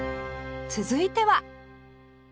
続いては